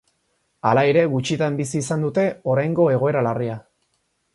Hala ere, gutxitan bizi izan dute oraingo egoera larria.